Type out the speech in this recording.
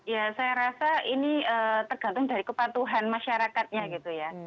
ya saya rasa ini tergantung dari kepatuhan masyarakatnya gitu ya